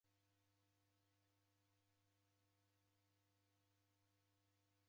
Kwa w'upande ghwapo sielelo